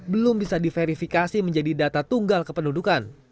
belum bisa diverifikasi menjadi data tunggal kependudukan